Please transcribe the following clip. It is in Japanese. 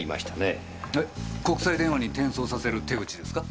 えっ国際電話に転送させる手口ですか？